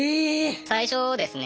最初ですね